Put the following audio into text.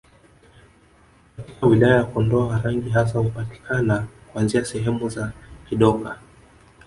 Katika wilaya ya Kondoa Warangi hasa hupatikana kuanzia sehemu za Kidoka